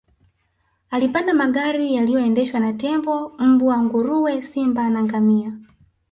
Alipanda magari yaliyoendeshwa na tembo mbwa nguruwe simba na ngamia